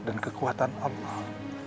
dan kekuatan allah